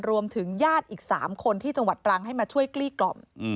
รวมถึงญาติอีก๓คนที่จังหวัดตรังให้มาช่วยกลี้กล่อม